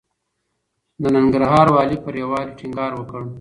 د ننګرهار والي پر يووالي ټينګار وکړ.